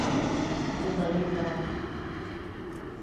Umbel·líferes.